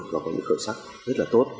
và có một cơ sắc rất là tốt